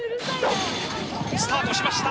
スタートしました！